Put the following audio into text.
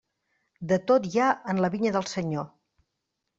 De tot hi ha en la vinya del Senyor.